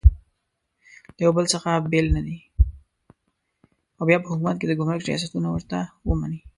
او بیا په حکومت کې د ګمرک ریاستونه ورته ومني.